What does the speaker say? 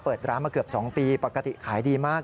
เปิดร้านมาเกือบ๒ปีปกติขายดีมาก